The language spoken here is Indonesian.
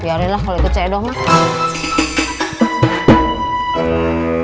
biarin lah kalo ikut cik edho mak